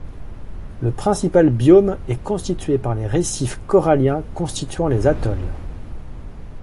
Le principal biome est constitué par les récifs coralliens constituant les atolls.